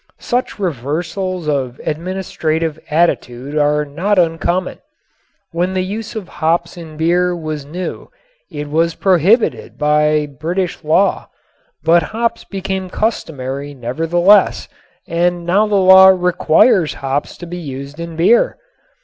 Such reversals of administrative attitude are not uncommon. When the use of hops in beer was new it was prohibited by British law. But hops became customary nevertheless and now the law requires hops to be used in beer.